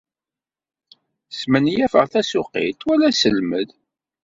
Smenyafeɣ tasuqilt wala asselmed.